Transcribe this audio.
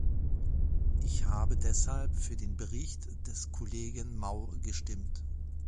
Ich habe deshalb für den Bericht des Kollegen Maugestimmt.